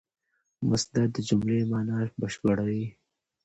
مصدر د جملې مانا بشپړوي.